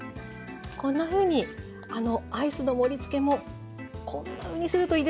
こんなふうにアイスの盛りつけもこんなふうにするといいですね。